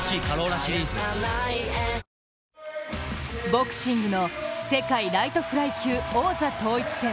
ボクシングの世界ライトフライ級王座統一戦、